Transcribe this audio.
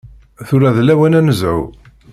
Tura d lawan ad nezhu.